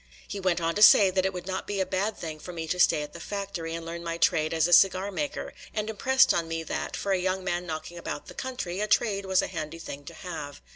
He went on to say that it would not be a bad thing for me to stay at the factory and learn my trade as a cigar maker, and impressed on me that, for a young man knocking about the country, a trade was a handy thing to have.